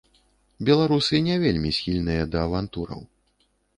Беларусы не вельмі схільныя да авантураў.